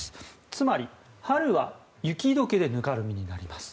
つまり春は雪解けでぬかるみになります。